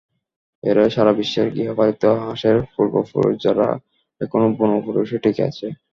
এরাই সারা বিশ্বের গৃহপালিত হাঁসের পূর্বপুরুষ, যারা এখনো বুনো পরিবেশে টিকে আছে।